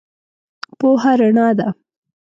پوهه رنا ده.